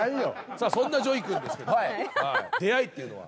さあそんなＪＯＹ君ですけど出会いっていうのは。